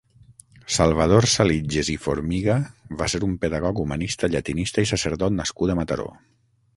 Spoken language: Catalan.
Salvador Salitjes i Formiga va ser un pedagog, humanista, llatinista i sacerdot nascut a Mataró.